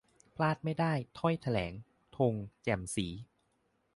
พลาดไม่ได้ ! ถ้อยแถลง 'ธง แจ่มศรี'